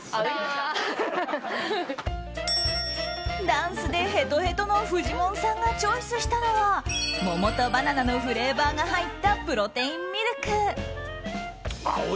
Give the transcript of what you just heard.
ダンスでへとへとのフジモンさんがチョイスしたのは桃とバナナのフレーバーが入ったプロテインミルク。